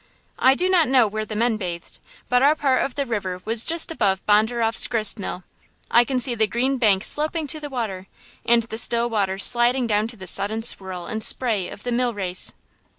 I do not know where the men bathed, but our part of the river was just above Bonderoff's gristmill. I can see the green bank sloping to the water, and the still water sliding down to the sudden swirl and spray of the mill race.